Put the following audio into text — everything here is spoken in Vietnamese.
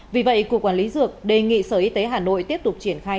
vì vậy cục quản lý dược đề nghị sở y tế hà nội tiếp tục triển khai